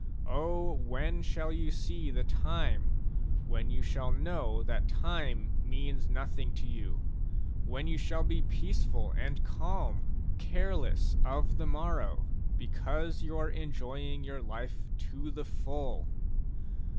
O when shall you see the time when you shall know that time means nothing to you, when you shall be peaceful and calm, careless of the morrow, because you are enjoying your life to the full